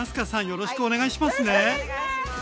よろしくお願いします。